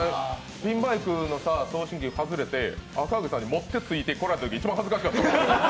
ピンマイクの送信機隠れて、赤荻さんに持ってついてこられたとき、めっちゃ恥ずかしかった。